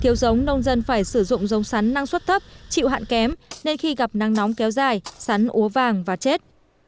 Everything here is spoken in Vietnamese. thiếu giống nông dân phải sử dụng giống sắn năng suất thấp chịu hạn kém nên khi gặp nắng nóng kéo dài sắn úa vàng và chết